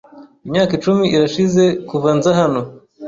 Imyaka icumi irashize kuva nza hano.